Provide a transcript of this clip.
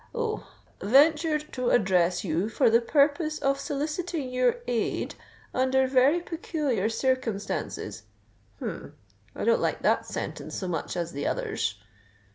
Oh!—'ventured to address you for the purpose of soliciting your aid under very peculiar circumstances.' Hem! I don't like that sentence so much as the others.